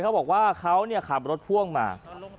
เขาบอกว่าเขาขับรถพ่วงมา